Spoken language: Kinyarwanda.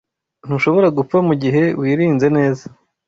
Ntushobora gupfa mugihe wirinze neza.